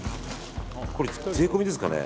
これ税込みですかね？